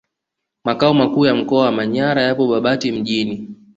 Makao makuu ya mkoa wa Manyara yapo Babati Mjini